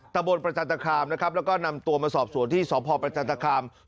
ตะบนประจันตคามนะครับแล้วก็นำตัวมาสอบสวนที่สพประจันตคาม